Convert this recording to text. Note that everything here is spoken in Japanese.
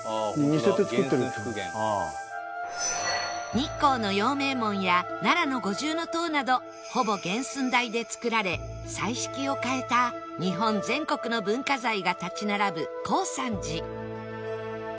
日光の陽明門や奈良の五重塔などほぼ原寸大で造られ彩色を変えた日本全国の文化財が立ち並ぶ耕三寺